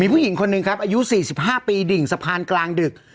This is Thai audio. ผู้หญิงคนหนึ่งครับอายุ๔๕ปีดิ่งสะพานกลางดึก